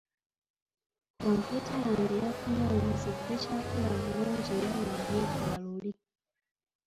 Kompyuta yange yafunye obuzibu tekyakola bulungi nga bwe yali ekola luli.